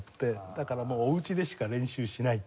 だからもうおうちでしか練習しないっていう。